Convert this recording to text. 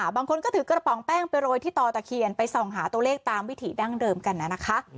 บางคนก็ถือกระป๋องแป้งไปโรยที่ต่อตะเคียนไปส่องหาตัวเลขตามวิถีดั้งเดิมกันนะคะ